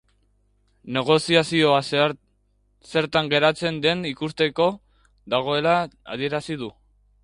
Negoziazioa zertan geratzen den ikusteko dagoela adierazi du.